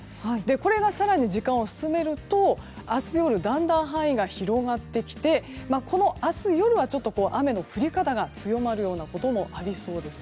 これが更に時間を進めると明日夜だんだん範囲が広がってきてこの明日夜は雨の降り方が強まることもありそうです。